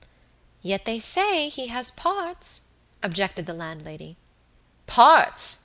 "Yet they say he has parts," objected the landlady. "Parts!"